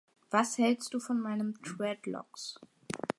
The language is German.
Was hältst du von meinen Dreadlocks?